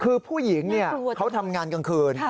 คือผู้หญิงเขาทำงานกลางคืน